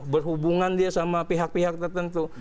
berhubungan dia sama pihak pihak tertentu